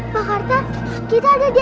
bawa dia ke ruangan